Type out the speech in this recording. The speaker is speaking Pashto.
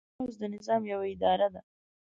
پوځ د نظام یوه اداره ده.